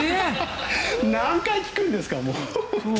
何回聞くんですか？